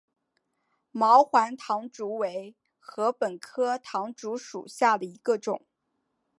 毛环唐竹为禾本科唐竹属下的一个种。